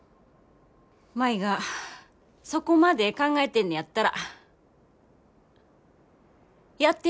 舞がそこまで考えてんねやったらやってみ。